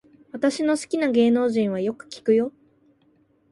私の好きな芸能人はよく聞くよ